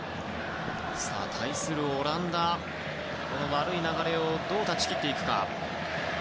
対するオランダ、この悪い流れをどう断ち切っていくか。